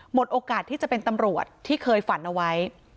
โอกาสที่จะเป็นตำรวจที่เคยฝันเอาไว้